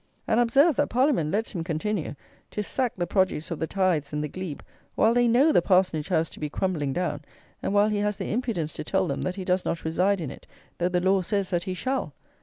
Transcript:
And observe that Parliament lets him continue to sack the produce of the tithes and the glebe, while they know the parsonage house to be crumbling down, and while he has the impudence to tell them that he does not reside in it, though the law says that he shall!